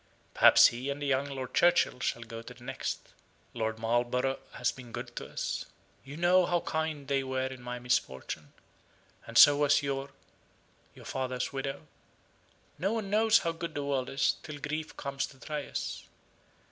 Perhaps he and the young Lord Churchill shall go the next. Lord Marlborough has been good to us. You know how kind they were in my misfortune. And so was your your father's widow. No one knows how good the world is, till grief comes to try us.